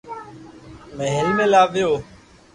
مھل ۾ لاويو